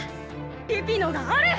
ピピのがある！